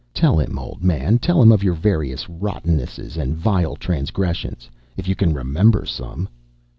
Tell him, old man, tell him of your various rottennesses and vile transgressions, if you can remember some.